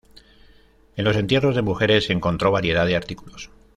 En los entierros de mujeres se encontró variedad de artículos.